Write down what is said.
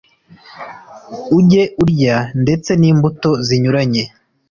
uge urya ndetse n'imbuto zinyuranye.